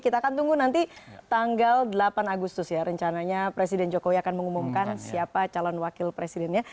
kita akan tunggu nanti tanggal delapan agustus ya rencananya presiden jokowi akan mengumumkan siapa calon wakil presidennya